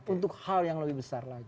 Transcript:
untuk hal yang lebih besar lagi